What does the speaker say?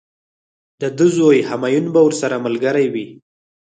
د ده زوی همایون به ورسره ملګری وي.